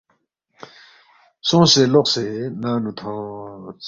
سونگسے لوقسے ننگ نُو تھونس